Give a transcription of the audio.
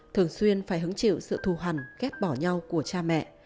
thường xuyên phải hứng chịu sự thù hằn ghét bỏ nhau của cha mẹ